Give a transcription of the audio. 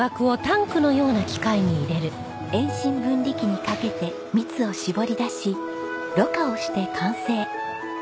遠心分離機にかけて蜜を搾り出しろ過をして完成。